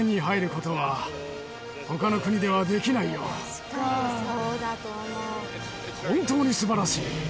確かにそうだと思う。